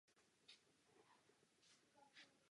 Přehradní nádrže a rybníky jsou opatřeny poznámkou.